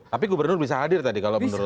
tapi gubernur bisa hadir tadi kalau menurut